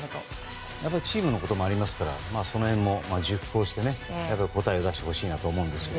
チームのこともありますから、その辺も熟考して、答えを出してほしいなと思いますが。